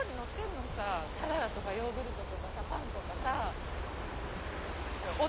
サラダとかヨーグルトとかさパンとかさぁ。